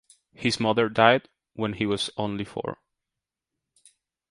His mother died when he was only four.